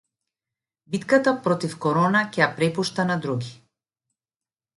Битката против корона ќе ја препушта на други